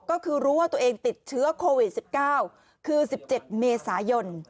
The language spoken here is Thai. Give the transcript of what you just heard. ก็คือรู้ว่าตัวเองติดเชื้อโควิด๑๙คือ๑๗เมษายน